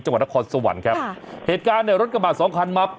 จังหวัดนครสวรรค์ครับค่ะเหตุการณ์เนี่ยรถกระบาดสองคันมา